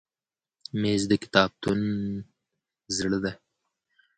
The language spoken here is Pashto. مېز د کتابتون زړه دی.